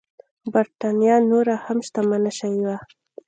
برېټانیا نوره هم شتمنه شوې وه.